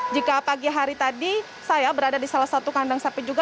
jika pagi hari tadi saya berada di salah satu kandang sapi juga